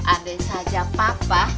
andai saja papa